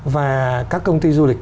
và các công ty du lịch